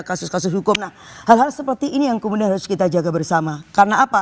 kasus kasus hukum nah hal hal seperti ini yang kemudian harus kita jaga bersama karena apa